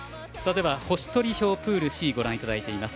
星取り表プールＣ、ご覧いただいています。